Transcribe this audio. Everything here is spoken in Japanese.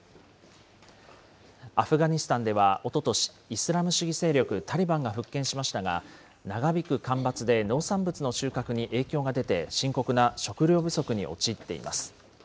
アフガニスタンでは、おととし、イスラム主義勢力タリバンが復権しましたが、長引く干ばつで農産物の収穫に影響が出て深刻な食料不足に陥っています。